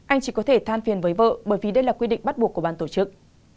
anh chỉ có thể than phiền với vợ bởi vì đây là quy định bắt buộc của ban tổ chức